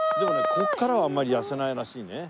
ここからはあんまり痩せないらしいね。